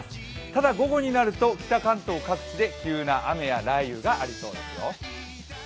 ただ、午後になると北関東各地で急な雨や雷雨がありそうですよ。